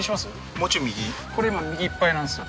もうちょい右これ今右いっぱいなんですよ